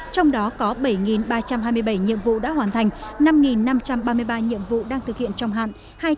trong đó có bảy ba trăm hai mươi bảy nhiệm vụ đã hoàn thành năm năm trăm ba mươi ba nhiệm vụ đang thực hiện trong hạn